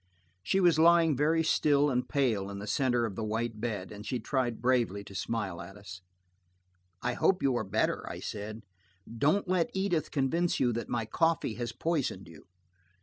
She was lying very still and pale in the center of the white bed, and she tried bravely to smile at us. "I hope you are better," I said. "Don't let Edith convince you that my coffee has poisoned you."